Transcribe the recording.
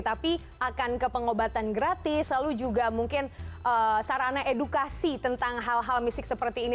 tapi akan ke pengobatan gratis lalu juga mungkin sarana edukasi tentang hal hal misic seperti ini